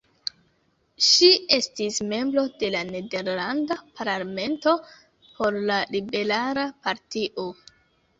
Ŝi estis membro de la nederlanda parlamento por la liberala partio.